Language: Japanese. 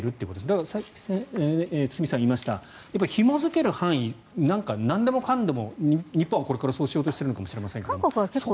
だから、堤さんが言いましたひも付ける範囲なんでもかんでも日本はこれからそうしようとしているかもしれないですがそういうことではないと。